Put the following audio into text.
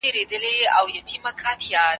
هغه خپلې عینکې په مېز کېښودې.